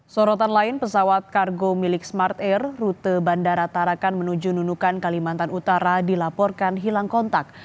sorotan lain pesawat kargo milik smart air rute bandara tarakan menuju nunukan kalimantan utara dilaporkan hilang kontak